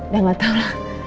ya gak tau lah